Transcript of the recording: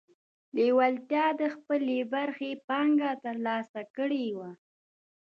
لېوالتیا د خپلې برخې پانګه ترلاسه کړې وه.